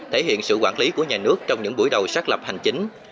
thể hiện sự quản lý của nhà nước trong những buổi đầu xác lập hành chính